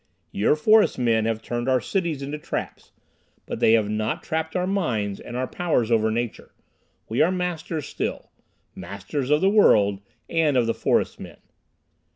Your forest men have turned our cities into traps, but they have not trapped our minds and our powers over Nature. We are masters still; masters of the world, and of the forest men.